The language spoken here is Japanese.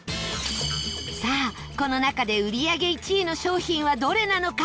さあ、この中で売り上げ１位の商品はどれなのか？